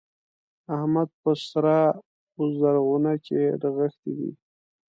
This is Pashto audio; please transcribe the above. احمد په سره و زرغونه کې رغښتی دی.